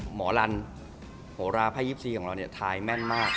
หมอลันหราร์พระยิปซีของเราเนี่ยทายแม่นมาก